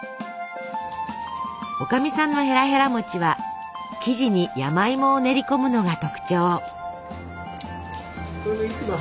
おかみさんのへらへら餅は生地に山芋を練り込むのが特徴。